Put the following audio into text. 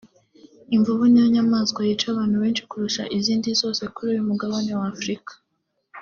imvubu niyo nyamaswa yica abantu benshi kurusha izindi zose kuri uyu mugabane wa Afurika